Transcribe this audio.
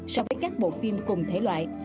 so với các bộ phim cùng thể loại